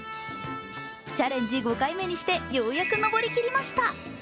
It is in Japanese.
チャレンジ５回目にしてようやく上りきりました。